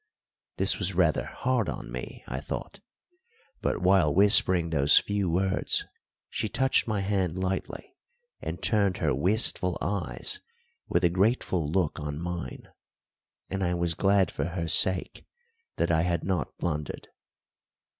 This was rather hard on me, I thought; but while whispering those few words she touched my hand lightly and turned her wistful eyes with a grateful look on mine, and I was glad for her sake that I had not blundered.